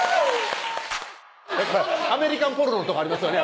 アメリカンポルノとかありますよね